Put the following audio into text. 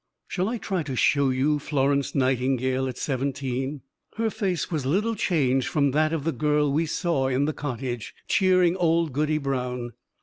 Shall I try to show you Florence Nightingale at seventeen? Her face was little changed from that of the girl we saw in the cottage, cheering old Goody Brown.